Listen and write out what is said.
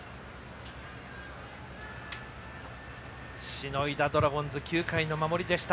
しのいだ、ドラゴンズ９回の守りでした。